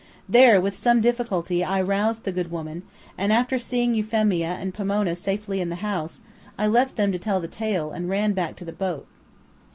There, with some difficulty, I roused the good woman, and after seeing Euphemia and Pomona safely in the house, I left them to tell the tale, and ran back to the boat.